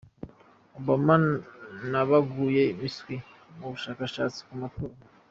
Obama na baguye miswi mu bushakashatsi ku matora